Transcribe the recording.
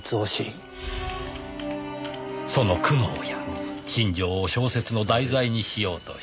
その苦悩や心情を小説の題材にしようとした。